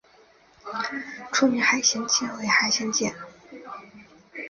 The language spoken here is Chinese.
处女海星介为海星介科海星介属下的一个种。